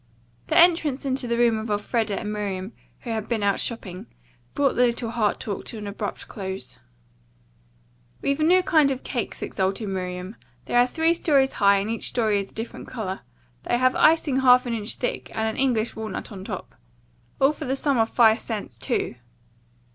The entrance into the room of Elfreda and Miriam, who had been out shopping, brought the little heart talk to an abrupt close. "We've a new kind of cakes," exulted Miriam. "They are three stories high and each story is a different color. They have icing half an inch thick and an English walnut on top. All for the small sum of five cents, too."